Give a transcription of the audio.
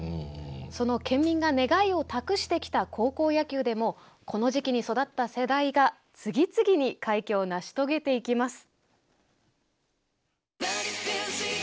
その県民が願いを託してきた高校野球でもこの時期に育った世代が次々に快挙を成し遂げていきます。